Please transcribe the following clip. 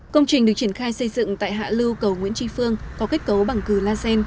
công trình được triển khai xây dựng tại hạ lưu cầu nguyễn tri phương có kết cấu bằng cừ la xen